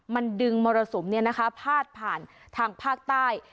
มันดึงมรสมเนี้ยนะคะพาดผ่านทางภาคใต้